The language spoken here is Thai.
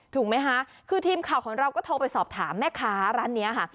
ถูกไหมคะคือทีมข่าวของเราก็โทรไปสอบถามแม่ค้าร้านนี้ค่ะ